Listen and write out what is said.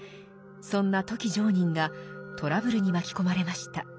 そんな富木常忍がトラブルに巻き込まれました。